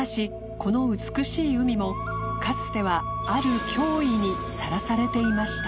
この美しい海も弔討ある脅威にさらされていました